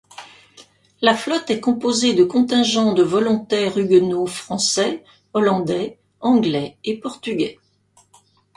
La flotte est composée de contingents de volontaires huguenots français, hollandais, anglais et portugais.